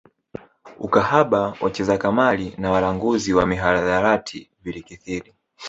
Ukahaba wacheza kamali na walanguzi wa mihadarati vilikithiri